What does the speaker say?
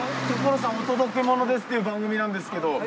『所さんお届けモノです！』っていう番組なんですけど。